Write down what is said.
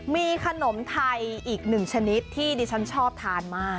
มีขนมไทยอีกหนึ่งชนิดที่ดิฉันชอบทานมาก